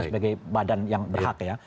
sebagai badan yang berhak